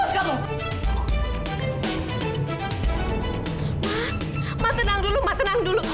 ma ma tenang dulu ma tenang dulu